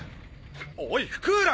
おい福浦！